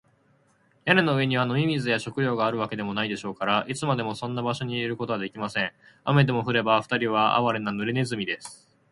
屋根の上には飲み水や食料があるわけでもないでしょうから、いつまでもそんな場所にいることはできません。雨でも降れば、ふたりはあわれな、ぬれネズミです。